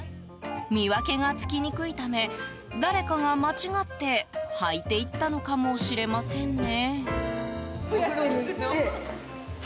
見分けがつきにくいため誰かが間違って履いていったのかもしれませんね。